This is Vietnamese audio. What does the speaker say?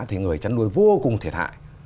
thì người chăn nuôi vô cùng thiệt hại